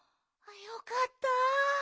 よかった。